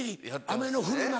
雨の降る中